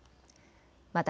また